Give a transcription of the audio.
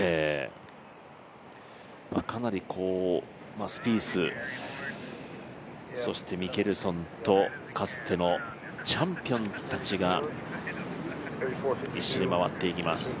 かなりスピース、そしてミケルソンとかつてのチャンピオンたちが一緒に回っていきます。